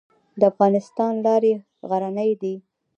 د افغانستان لارې غرنۍ دي